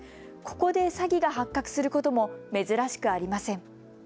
ここで詐欺が発覚することも珍しくありません。